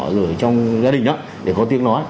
rồi trong gia đình đó để có tiếng nói